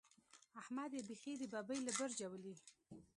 احمد يې بېخي د ببۍ له برجه ولي.